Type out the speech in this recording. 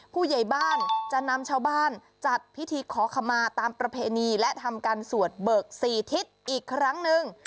ผู้ใหญ่บ้านจะนำชาวบ้านจัดพิธีขอขมาตามประเพณีและทำการสวดเบิก๔ทิศอีกครั้งหนึ่ง